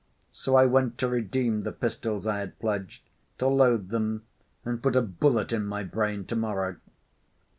So I went to redeem the pistols I had pledged, to load them and put a bullet in my brain to‐morrow."